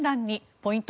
ポイント